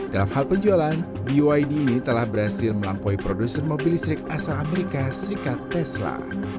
dalam hal penjualan bid ini telah berhasil melampaui produsen mobil listrik asal amerika serikat tesla